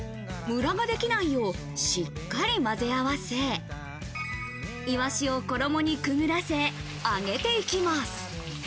ムラができないよう、しっかりまぜ合わせ、イワシを衣にくぐらせ、揚げていきます。